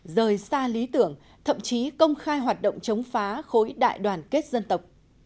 rời xa lý tưởng thậm chí công khai hoạt động chống phá khối đại đoàn kết dân tộc